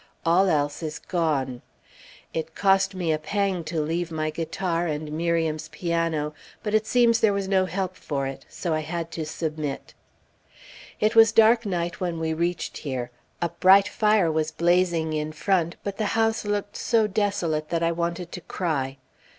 All else is gone. It cost me a pang to leave my guitar, and Miriam's piano, but it seems there was no help for it, so I had to submit. It was dark night when we reached here. A bright fire was blazing in front, but the house looked so desolate that I wanted to cry.